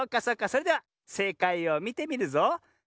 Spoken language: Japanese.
それではせいかいをみてみるぞ。